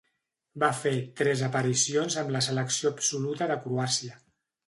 Va fer tres aparicions amb la selecció absoluta de Croàcia.